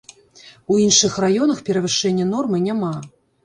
У іншых раёнах перавышэння нормы няма.